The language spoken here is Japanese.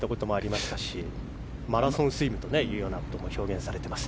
マラソンスイムというような表現もされています。